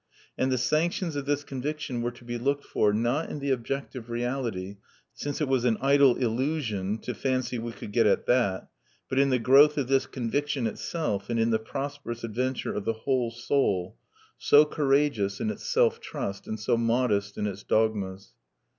And the sanctions of this conviction were to be looked for, not in the objective reality, since it was an idle illusion to fancy we could get at that, but in the growth of this conviction itself, and in the prosperous adventure of the whole soul, so courageous in its self trust, and so modest in its dogmas.